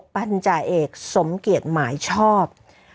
๖พันธุ์จ่ายเอกสมเกียรติหมายชอบ